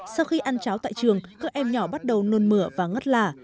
sau khi ăn cháo tại trường các em nhỏ bắt đầu nôn mửa và ngất lả